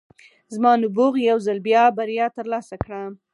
زما نبوغ یو ځل بیا بریا ترلاسه کړه